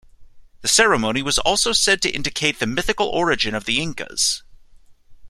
The ceremony was also said to indicate the mythical origin of the Incas.